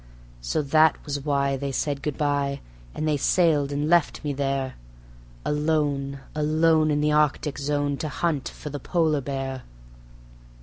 So that was why they said good by, and they sailed and left me there Alone, alone in the Arctic Zone to hunt for the polar bear.